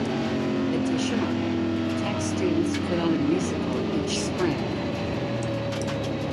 Additionally, Tech students put on a musical each spring.